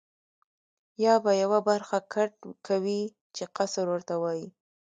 یا به یوه برخه کټ کوې چې قصر ورته وایي.